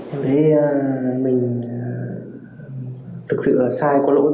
em thấy mình thực sự là sai của lỗi bố mẹ